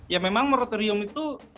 ya memang morotrium itu